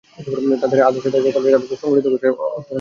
তাদের ওপর দায় চাপে যখন নাকি সংঘটিত গোষ্ঠীর হাতে হত্যাকাণ্ড ঘটে।